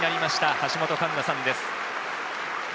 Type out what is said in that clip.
橋本環奈さんです。